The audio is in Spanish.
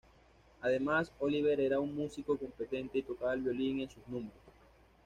Además, Oliver era un músico competente, y tocaba el violín en sus números.